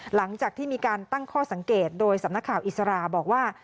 หลังจากที่มีการตั้งข้อสังเกตโดยสำนักข่าวอิสราบอกว่า